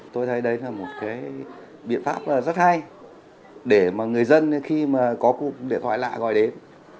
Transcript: tôi thấy đấy là một cái biện pháp rất hay để mà người dân khi mà có cuộc điện thoại lạ gọi đến